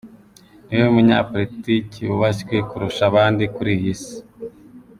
Niwe munyapolitiki wubashywe kurusha abandi kuri iyi si.